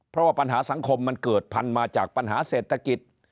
เพราะว่าปัญหาสังคมมันเกิดพันธุมาจากปัญหาเศรษฐกิจ